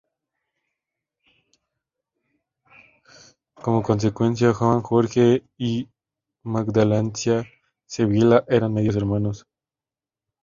Como consecuencia, Juan Jorge y Magdalena Sibila eran medios hermanos.